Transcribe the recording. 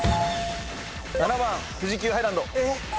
７番富士急ハイランド。